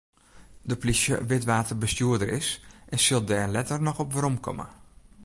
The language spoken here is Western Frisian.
De plysje wit wa't de bestjoerder is en sil dêr letter noch op weromkomme.